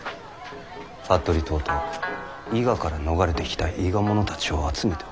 服部党と伊賀から逃れてきた伊賀者たちを集めておる。